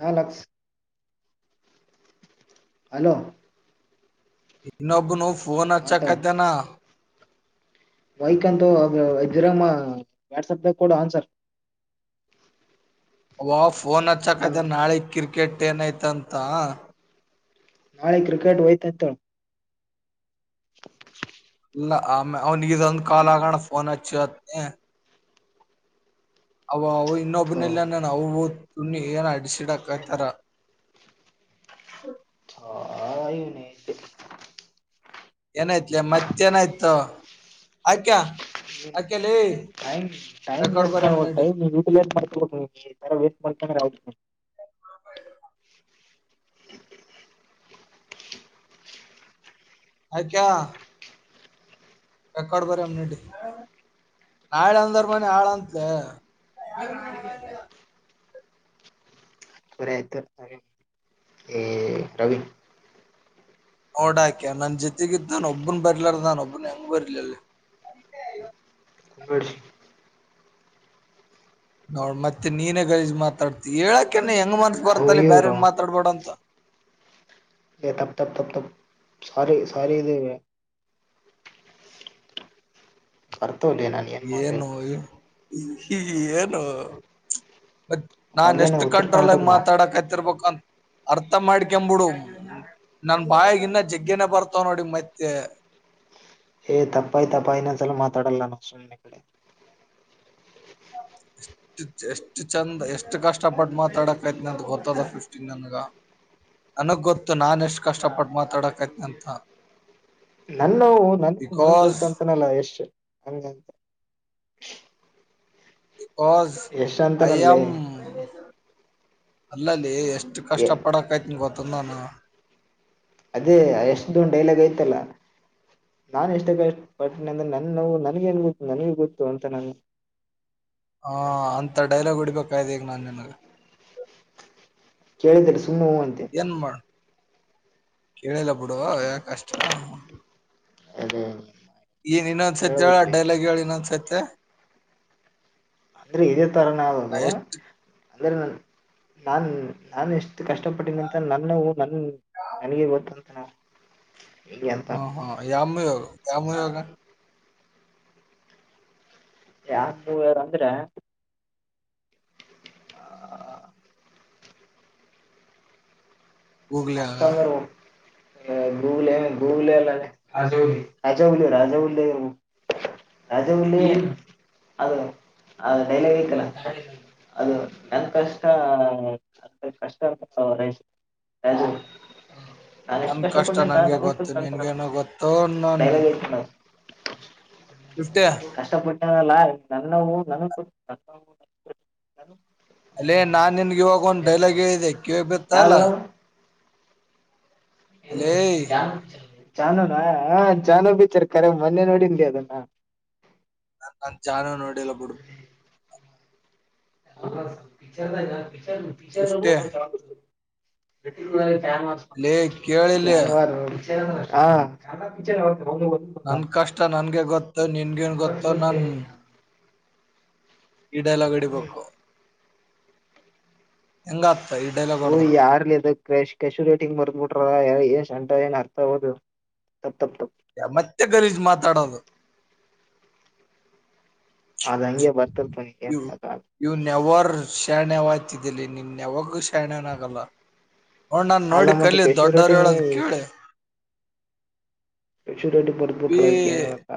ಹ ಲಕ್ಸ್ ಹಲೋ ಇನ್ನೊಬ್ಬುನು ಫೋನ್ ಅಚ್ಚಾ ಕತೆನಾ ವೈಕ್ಂತ ಅ ಇದ್ದರಮ್ಮ ವಾಟ್ಸಪ ನಾಗ ಕೊಡ ಆನ್ಸರ್ [inaudible] ಅವ ಫೋನ್ ನಾನ ಹಚ್ಚಕದ ನಾಳಿ ಕ್ರಿಕೆಟ್ ಏನೈತಂತ ನಾಳೆ ಕ್ರಿಕೆಟ್ ವತತ್ತು ಇಲ್ಲ ಆಮೇ ಅವನಗ ಒಂದ್ ಕಾಲ್ ಆಗಣ ಫೋನ್ ಹಚ್ಚಿ ಹತ್ ಅ ಅವ ಇನ್ನೊಬನ ಇಲ್ಲ ಅವವು ಸುಣ್ಣಿ ಏನ ಆಸಿಡ್ ಹಾಕೋಂತರ ಏನಾಯ್ತ್ಲ ಮತ್ತೇನಾಯ್ತ ಅಕ್ಯ ಅಕ್ಯಲೈ ಟೈಮ್ ಟೈಮ್ ವೇಸ್ ಮಾಡ ಟೈಮ ಉಟಿಲಿಸ್ ಮಾಡ್ಕೊಬೇಕ ನೀ ಈ ತರ ವೇಸ್ಟ್ ಮಾಡ್ಕೊಂಡ್ರ ಅಕ್ಯಾ ರೆಕಾರ್ಡ್ ಬರ [unintelligible] ನಾಳೆ ಅಂದೋರ್ ಮನೆ ಹಾಳಂತೆ ಸರೆ ಆಯ್ತು ರವಿನ್ ಓಡಾಕ್ಯ ನನ್ ಜೊತೆಗ ಇದಿದ್ದ್ದಾನನ್ ಒಬ್ಬನ್ ಬರ್ಲಾರ ನಾನ ಒಬ್ಬನ್ ಹೆಂಗ ಬರ್ಲ ಅಲ್ಲಿ ಬಿಡಿ ನೋಡ್ ಮತ್ತೆ ನೀನೇ ಗಜ್ ಮಾತಾಡ್ತಿ ಹೇಳಕ ಹೆಂಗ್ ಮನ್ಸ್ ಥೂ ಬರ್ತ್ತ ಅಲ್ಲಿ ಬೇರೆ ಇವ್ರು ಮಾತಾಡ್ಬೇಡ ಅಂತ ಇ ತಪ್ ತಪ್ ತಪ್ ತಪ್ ಸಾರಿ ಸಾರಿ ಇದು ಬರ್ತೋಲ್ಲ ನಾ ಏನ್ ಮಾಡ್ಲಿ ಹೀ ಹಿ ಏನು ನಾನ್ ಮೊದ್ಲೇನೆ ಎಷ್ಟತ್ ಉತ್ತರ ಕಂಟ್ರೋಲ್ಗ ಕರ್ನಾಟಕ ನಾವು ಮಾತಾಡಕತಿರ್ಬೇಕಂತ ಅರ್ಥ ಮಾಡ್ಕಬಿಡು ನನ್ ಬಾಯಗ ಇನ್ನ ಜಗ್ಗನ ಬರ್ತವ್ ನೋಡಿ ಮತ್ತೆ ಏ ತಪ್ಪಾಯಿತ್ತಪ್ಪ ಇನ್ನೊಂದ್ ಸಲ ಮಾತಾಡಲ್ಲ ನಾನು [unintelligible] ಎಷ್ಟು ಎಷ್ಟ್ ಚಂದ್ ಎಷ್ಟು ಕಷ್ಟ ಪಟ್ಟ ಮಾತಾಕೈತಿನ ಅಂತ ಗೊತ್ತದ ಫಿಫ್ಟಿನ್ ನನ್ಗ ನನಗ್ ಗೊತ್ತು ನಾನ ಎಷ್ಟು ಕಷ್ಟಪಟ್ಟ ಮಾತಾಡಕೈತಿನ ಅಂತ ನನ್ನ ನೋವು ನನ್ಗ್ ಬಿಕಾಸ್ ಗೊತ್ತ ಅಂತನಲ್ಲ ಎಷ್ಟ ನಂತ ಬಾಸ್ ಯಶ್ ಐ ಅಂತನಲ್ಲೇ ಆಮ್ ಅಲ್ಲಲ್ಲಿ ಎಷ್ಟ ಎಷ್ಟು ಎ ಕಷ್ಟಪಡಕಯ್ತೀನ ಗೊತ್ತ ನಾನು ಅದೇ ಎಷ್ಟ್ದು ಡೈಲಾಗ್ ಐ್ತಲ್ಲ ನಾನ್ ಎಷ್ಟಕ್ಕಷ್ಟ ಪಟ್ನೆ ಅಂದ್ರೆ ನೋವು ನನ್ಗ ನ್ ಗೊತ್ತು ನನಗ ಗೊತ್ತು ಅಂತ ನಾನು ಹಾ ಅಂತ ಡೈಲಾಗ್ ಹೊಡ್ಬೇಕಾಯ್ದ ಈಗ ನಾನ್ ನಿನ್ಗ ಕೇಳಿದಕ್ಕೆ ಸುಮ್ಮನೆ ಹೂ ಅಂತಿನಿ ಕೇಳಿಲ ಬಿಡು ಅಯಕ ಕಷ್ಟ ಹ ಏನ್ ಇನ್ನೊಂದಸತಿ ಹೇಳ ಡೈಲಾಗ್ ಹೇಳ ಇನ್ನೊಂದಸೈತೆ ರಿ ಇದೆ ಥರನ ಅದು ಎಷ್ಟು ಅಂದ್ರೆ ನ ನಾನ್ ನಾನು ಎಷ್ಟು ಕಷ್ಟಪಟ್ಟನಂತ ನನ್ನ ನನ್ ನನಗೆ ಗೊತ್ತಂತ ನಾ ಹಾ ಹಾ ಯಾಮ ಯೋಗ ಯಾಮ ಯೋಗ ಯಾರ ಮೂ ಯಾರ ಅಂದ್ರ ಹೂೋಗಲಾಗ ಗು ಗುಲ್ಲ ರಾಜ ರಾಜಾ ಉ ರಜಲ್ಲಿ ಅದು ಅದು ಡೈಲ ವಕಲ್ಲ ಅದು ನನ್ ಕಷ್ಟ ಕಷ್ಟ ಹದು ನಾ ಎಷ್ಟು ನನ್ ಕಷ್ಟ ಪಡ್ ನನ್ಗೆ ಗೊತ್ತು ನ ನಿನ್ಗೇನೋ ಗೊತ್ತು ಡೈ ಇಫತ ನ್ನೂ ನನಕ ಅಲ್ಲೇ ನಾನ್ ನಿನ್ಗೆ ಇವಾಗ ಒಂದ್ ಡೈಲಾಗ್ ಹೇಳಿದೆ ಕಿವ ಬಿತ್ತ ಅಲ್ಲ ಯಾವ್ದೊಳಗ ಅಲೇ ಜಾನುನಾ ಹ ಜಾನು ಬಿೀಚರ್ ಕರೆ ಮೊನ್ನೆ ನೋಡಿನ್ಿ ಅದನ್ನ ನ ನನ್ ಜಾನ ನೋಡಿಲ್ಲ ಬಿಡ ಪಿಚರ್ ಪಿ ಪ ಫಿಫ್ಟಿ ನ ಅಲೇ ಕೇಳಿಲ್ಲಿ ಚಟ ಪ ನನ್ ಕಷ್ಟ ನನ್ಗೆ ಗೊತ್ತೋ ನಿನ್ಗೇನ್ ಗೊತ್ತೋ ನನ್ ಈ ಡೈಲಾಗ್ ಇಡಿಬೇಕು ಹೆಂಗ ಹ ಯಾರ್ಲಿದ್ ಕಶು ರೇಟಿಂಗ್ ಬರ್ದ್ ಬಿಿಟ್ರಷ್ಟ್ಂ ಏನ್ ಅರ್ಥ ಹೌದು ಮತ್ತೆ ಗಲೀಜ್ ಮಾತಾಡೋದು ಅದ್ ಹಂಗೆ ಬರ್ತಲ್ಪ ಯ ಏನ್ ಆಗಲ್ಲ ಯು ನೆವ ಶರಣ್ಯಾವಯ್ತಿದ್ದಲ್ಲಿ ನಿನ್ ಯಾವಾಗೂ ಶರಣವನ ಆಗಲ್ಲ ಹಣ್ಣಾನ್ ಅಲ್ಲ ನೋಡಿ ಮತ್ತೆ ಕಲ್ಲ ದೊಡ್ಡರೇಳದ ಕೇಳೆ ೂ ಪತ ಪಳಕತ್ತಾ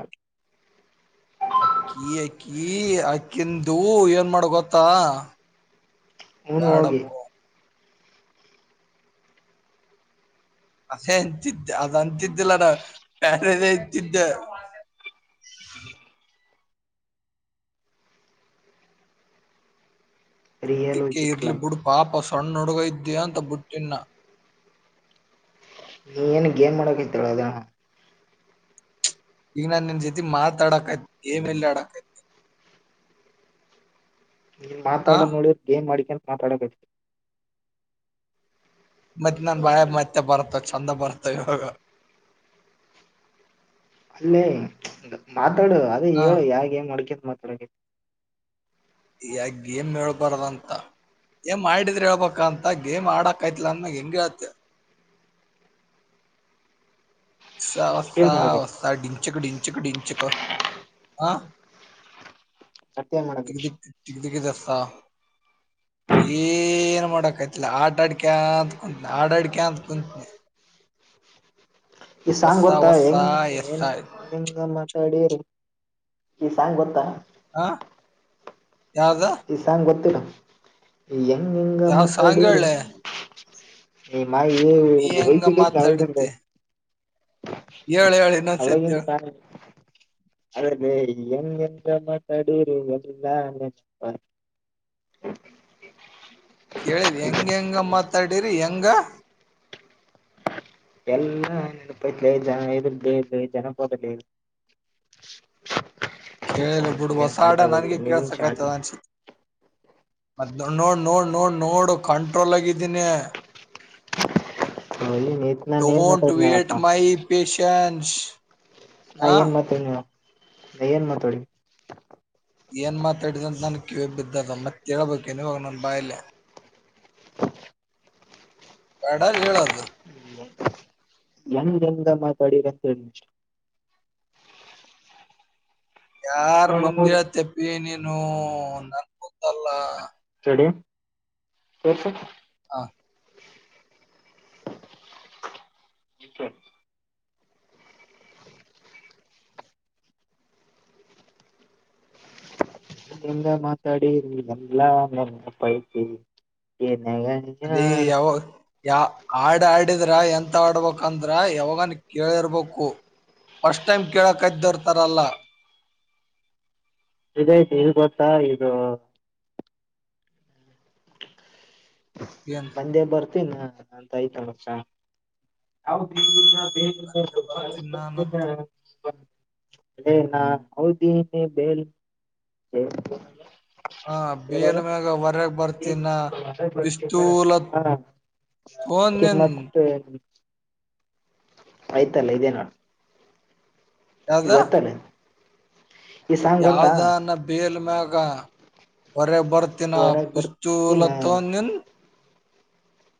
ಅಕಿಂದು ಏನ್ ಮಾಡ ಗೊತ್ತಾ ನ ಬ್ಯಾಡ ನಿ ಅದೇ ಅಂತತ್ತು ಅದ ಅಂತಿದ್ದಲ್ಲಡ ಪ್ಯಾರ ಇಂತಿದ್ದ ಹ ರಿಯಲ್ ದಕ್ಕ ಚಿಕ್ಕಲ ಇರ್ಲಿ ಬಿುಡ್ ಪಾಪ ಸಣ್ಣ ಹುಗ ಇದ್ದ್ಯ ಅಂತ ಬಿುಟ್ಟಿಿನ ನೀ ಏನ್ ಗೇಮ್ ಮಾಡಕ ಇತಾಳ ಅದ ಈಗ ನಾು ನಿನ್ ಜೊತೆ ಮಾತಾಡಕಯ್ತನಿ ಮೇಲೆ ಆಡಕ್ಯ್ನ ನೀ ಮಾತಾಡ ನೋಡಿ ಗೇಮ್ ಮಾಡಿಕಂತ ಮಾತಾಡಕಟ್ರಿ ಮತ್ತತ್ ನನ್ ಬಾಳೆ ಮತ್ತೆ ಬರ್ತ್ತವ ಚಂದ ಬರ್ತವ ಇವಾಗ ಅಲ್ಲೇ ಮಾತಾಡು ಅದೇ ಹಾ ಹೇಳು ಯಾಾಗ ಏನ್ ಮಾಡ್ಕ್ಯಂತ ಮ ಹ ಯಾಕ ಗೇಮ್ ಹೇಳ್ಬಾರದಂತ ಏಂ್ ಮಾಡಿದ್ರ ಹೇಳ್ಬ ಅಂತ ಗೇಮ್ ಆಡಕ್ೈತಿಲ್ಲ ಅಂದಮಾಗ್ ಹೆಂಗಗೆ ಹೇಳತಿ ಹೊಸ ವಿಷಯ ಮಾಡಕೈತಿ ಹೊ ಡಿಂಚಕ ಡಿಂಚಕ ಡಿಂಚಕ ಹ ಸತ್ಯ ಮಾಡಕೈತಿ ದಗ ಜಾ [unintelligible] ಏನ್ ಮಾಡಕೈತಿಲ್ಲ ಆಟಾಡ್ಿಕ ಅಂತತ್ ಕುಂತನಿ ಆಡಾಡ್ಿಕ ಅಂತ ಕುಂತನಿ ಈ ಸಾಂಗ್ ಗೊತ್ತಾ ಹೊಸ ಹೆಂಗ ಏ ಎಸ್ ಹೆಂಗ ಹೆಂಗ ಮಾತಾಡಿಂಗ ಕ ಸಂಗ ಗೊತ್ತಾ ಆ ಈ ಸಾಂಗ ಗೊತ್ತಿಡ ಹೆಂಗ ಹೆಂಗ ಯಾವ್ ಸಾಂಗ್ ಮಾತಾಡರಿ ಹೇಳೆ ಈ ಮಾಡ ಇ ನೀ ಹೆಂಗ ಹ್ಗೆ ಕೈ ನಾವ ಮಾತಾಡತಿ ಕ ಹೇಳ ಹೇಳ ಅವಾಗಿ ಇನ್ನೊಂದ್ಸತಿ ಹೇಳ್ ಅದ ಹೆಂಗೆ ಮಾತಡೂರುಲ್ಲ ಕೇಳ ಹೆಂಗ ಹೆಂಗ ಮಾತಾಡರಿ ಹೆಂಗ.. ಎಲ್ಲ ನೆಪತ್ ಜನ ಎ್ರ್ದ ಇ ಜನಪೋದಲ್ಲಿ [unintelligible] ಕೇಳಿಲ್ಲ ಬಿಡು ಹೊಸ ಆಡ ನನ್ಗೆ ನಿಮ್ ಚಾರ್ಜ್ ಕೇಳಸಕಾಯ್ತದ ಅನ್ಸತಿ ಮ್ ನೋಡ್ ನೋಡ್ ನೋಡ್ ನೋಡು ಕಂಟ್ರೋಲ್ ಆಗಿದ್ದೀನಿ ಹಿ ನೀತ್ನ ನೀೇ ಮತ್ರ ಡೋಂಟ್ ಮಪ್ಪ ವೇಟ್ ಮೈ ಪೇಶನ್ಸ್ ನಾ ಆ ಏನ್ ಮಾತಾಡಿ ನೀ ನಾ ಏನ್ ಮಾತಾಡಿ ಏನ್ ಮಾತಾಡಿದೆ ಅಂತ ನನ್ ಕಿವಿ ಬಿದ್ದದ ಮತ್ತೆ ಹೇಳ್ಬೇಕುನ್ವಾಗ ನನ್ ಬಾಯಲೆ ಬಡ ಹೇಳದು ಎಂಗ ಜಂಗ ಮಾತಾಡಿರಂತಂತ ಯಾರ್ ಮುಂದಿರ ತೆಪ್ಪಿ ನೀನು ನನ್ ಗೊತ್ತಲ್ಲ ಸ ಹಾ ಸ ಇದ್ರಿಂದ ಮಾತಾಡಿ ಎಲ್ಲಾ ಐತಿ ಅದೇ ಯಾವ ಯ ಆಡ ಆಡ್ ಆಡಿದ್ರ ಎಂತ ಆಡ್ಬೇಕಂದ್ರ ಯಾವಾಗನ್ ಕೇಳಿರ್ಬೇಕು ಫಸ್ಟ್ ಟೈಮ್ ಕೇಳ ಕದ್ದರ್ತಾರಲ್ಲ ಇದೈತಿ ಈ ಗೊತ್ತಾ ಇದು ಏನ್ ಬಂದೇ ಬರ್ತೀನ್ ಅಂತ ಆಯ್ತ ಅಷ [inaudible] ಬರ್ತೀನ ನಾನು ಎ ನ ಮೌದ ಬೆ ಹ ಬಲ್ ಮ್ಯಾಗ ಹೊರಗ್ ಬರ್ತಿನ ತೋನ್ ನಿನ್ ಹಾಮ್ಮತ್ತ ಆಯ್ತಲ್ಲ ಇದೇ ನು ಯಾವ್ದ ಗತ್ತಾನೆ ಯಾವ್ದಾನ ಬೇಲ್ ಮ್ಯಾಗ ಹೊರ ಬರ್ತಿನ ಹೊರಗ್ ಬರ್ತೀನ ಪ್ತೂಲತನ್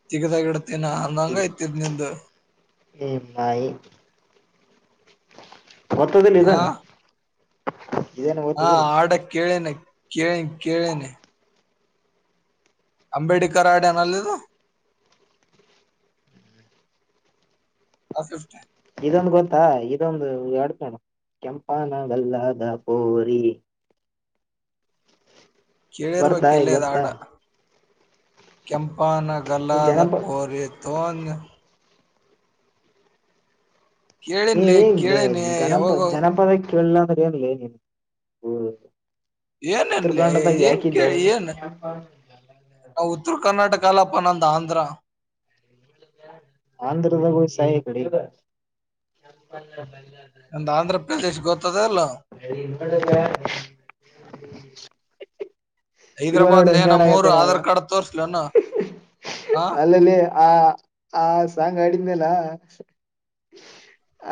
ತಗದ ನ ಹ ನಂಗ ಇತ ನಿಂದ ಮಾಯಿ ಮತ್ತದದಲ್ಲಿ ಆ ಇದಾನೆ ಇದೇನ ಓದ್ತದಿಲ್ಲ ಕಳ ಕಳ ಕಳ ಅಂಬೇಡ್ಕರ ಆಡನಲ್ಲಿದು ಆಫಿಫ್ಟ ಇದೊಂದು ಗೊತ್ತಾ ಇದೊಂದು ಎಡ್ತಣ ಕೆಂಪಾನಗಲ್ಲಾದ ಪೋರಿ ಕೇಳಿರುವ ಬರ್ತಾ ಇದ್ ಕೆಲ್ಲದ ಗೊತ್ತಾ ಆಡ ಕೆಂಪಾನ ಈ ಗಲ್ಲಾದ ಜನಪ ಪೋರಿ ತೋನ್ ಏ ಕೇಳಿನ್ಲೆ ಏ ಕೇಳಿನಿ ಗನಪ ಯಾವಾಗ ಜನಪದ ಕೇಳಿಲ್ಲ ಅಂದ್ರೆ ಏನ್ ನೀನ್ ಹ ಏನನ್ಲ ಏನ್ ಕೇಳಿ ಏನ್ ಹೌದು ಉತ್ತರ ಕರ್ನಾಟಕ ಅಲ್ಲಪ್ಪ ನಂದು ಆಂಧ್ರ ಆಂಧ್ರದ ಸಾಯ ಕಡೆ [inaudible] ನಂದ್ ಆಂಧ್ರ ಪ್ರದೇಶ್ ಗೊತ್ತದ ಇಲ್ಲ [inaudible] ಇವ ನೋಡ ಹೈದ್ರಾಬಾದ್ ಲೇ ಹೆಂಗಡ ನಮ್ಮೂರು ಆಗತಾರ ಆಧಾರ್ ಕಾರ್ಡ್ ತೋರ್ಸ್ಲೇನು ಆ ಅಲ್ಲಲ್ಲಿ ಆ ಆ ಸಾಂಗ್ ಆಾಡಿದ್ಮೇಲ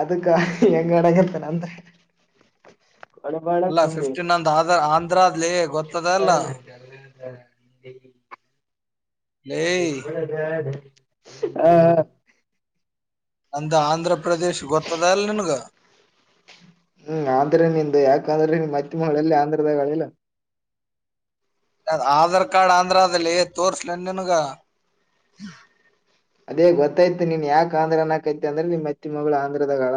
ಅದಕ್ಕ ಹೆಂಗಡಗತ್ತನಂದ್ರೆ ಅಣಬಳ ಅಲ್ಲ ಹ ಫಿಫ್ಟೀನ್ ಅಂದ ಆದ ಆಂಧ್ರದ್ಲಿ ಗೊತ್ತದ ಅಲ್ಲ ಕೆಂಪನ ಗಲ್ಲದ ಲೇ ಅಡುಳ ಹಾ ಹ ಅಂದ ಆಂಧ್ರ ಪ್ರದೇಶ ಗೊತ್ತದಲ್ಲ ನಿನಗ ಹ್ಮ್ ಆಂಧ್ರ ನಿಂದು ಯಾಕ ಅಂದ್ರೆ ಮತ್ತ ಮಲ್ಲಿ ಆಂಧ್ರದಾಗಳಿಲ್ಲ ಆಧಾರ್ ಕಾರ್ಡ್ ಆಂಧ್ರದಲ್ಲಿ ತೋರ್ರಿಸಲನ್ ನಿನುಗ ಅದೇ ಗೊತ್ತಾಯ್ತಿ ನೀನ್ ಯಾಕ ಆಂಧ್ರನಕೈತಿ ಅಂದ್ರೆ ನಿಮ್ ಅತ್ತೆ ಮಗಳು ಆಂಧ್ರದಾಗಳ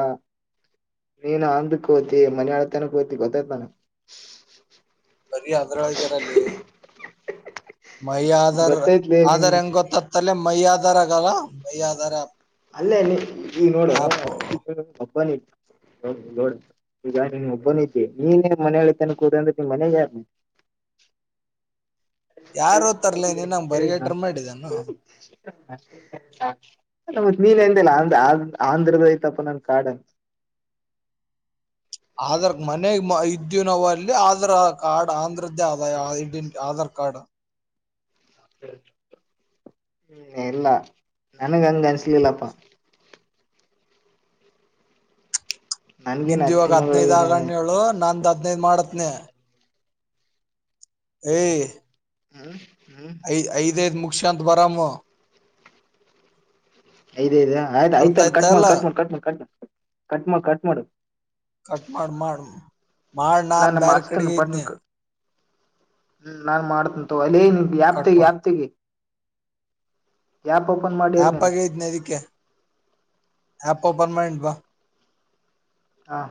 ನೀನು ಅಂದಕ್ ಹೋತಿ ಮನ್ ಆಳತಾನಕ್ ಹೋತಿ ಗೊತ್ತಾಯ್ತಾನ ಬರೀ ಅದ್ರಳಗಾರಲ್ಲಿ ಮೈ ಆಧಾರ್ ಗೊತ್ತೈತ್ಲೆ ನಿನ್ ಆದಾರ್ ಹೆಂಗ ಗೊತ್ತತ್ತಲ್ಲ ಮೈ ಆದಧಾರ್ ಆಗಲ್ಲ ಮೈ ಆಧಾರ ಅಲ್ಲೇ ಈಗ ನೋಡ ಹಬ್ಬ ಈಗ ನಿನ್ ಒಬ್ಬನ ಇದಿ ನೀನ್ ಮನೆ ಹಿತಾನ ಕೂುದ ಅಂದ್ರೆ ನಿಮ್ ಮನೆಾಗ ಯಾರ [inaudible] ಯಾರು ತರ್ಲಿ ನೀನ್ ನಂಗ್ ಬರಿಗೇಟರ್ ಮಾಡಿದಾನ ತ್ ನೀನ್ ಎಂದಿಲ್ಲ ಆಂಧ್ರದ ಐ್ತಪ್ಪ ನನ್ ಕಾಡನ್ [inaudible] ಆಧಾರ್ ಮನೆ ಇದ್ದವಿ ನಾವವು ಅಲ್ಲಿ ಆಧಾರ್ ಕಾರ್ಡ್ ಆಂಧ್ರ ಆದ ಐಡೆಂಟ ಆಧಾರ್ ಕಾರ್ಡ್ ಹ್ಮ್ ಎಲ್ಲಾ ನನಗೆ ಅಂಗ ಅನಿಸಲಿಲ್ಲಪ್ಪ ನನ್ಗೇನ್ ನಿಂದ ಇವಾಗ ಅತ್ತಿ ಹದ್ನೈದ್ ಮಗಳಿಗೇನ ಆಗಣ ಹೇಳು ನಾಂದ್ ಹದ್ನೈದ್ ಮಾಡತ್ನ ಏ ಹಾ ಐದ್ ಐದ ಐದು ಮುಖ್ಯಂತ್ ರಾಮ ಅ ಆಯ್ ಅರ್ಥ ಆಯ್ತ ಆಯ್ತಾ ಕಟ್ ಮಾಡಿ ಇಲ್ಲ ಕಟ್ ಮಾಡಿ ಕಟ್ ಮಾಡಿ ಕಟ್ ಮಾಡ ಕಟ್ ಮಾಡ ಕಟ್ ಮಾಡ ಕಟ್ ಮಾಡ ಮಾಡ ಮಾಡ ನಾನ್ ಬ್ಯರೆ ಹಚ್ತೇನ್ ಕಡೆಗೆ ಇದನ ಪಟ್ನ ಹ್ಮ್ ನಾನ್ ಮಾಡ್ತಂತ ಅಲ್ಲಿ ನ್ ಯಾಪ್ ಕಟ್ ತಗ ಮಾಡ್ ಯಾಪ್ ತಗಿ ಮಾಡಿರ್ ಆಪ್ ನೀನ್ ಆಗ ಐತ್ನ ಇದಕ್ಕೆ ಆಪ ಪರ್ಮನೆಂಟ್ ಬಾ ಹಾ